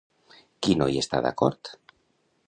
Qui no hi està d'acord?